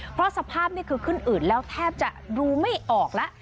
เพราะสภาพนี่คือขึ้นอืดแล้วแทบจะดูไม่ออกแล้ว